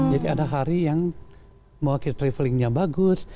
jadi yang mewakili travelingnya bagus